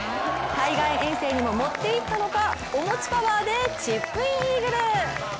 海外遠征にも持っていったのかお餅パワーでチップインイーグル！